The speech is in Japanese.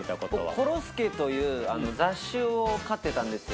コロスケというあの雑種を飼ってたんですよ